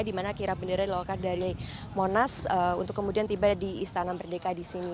di mana kirap bendera dilakukan dari monas untuk kemudian tiba di istana merdeka di sini